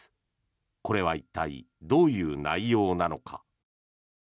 これは一体、どういう内容なのか。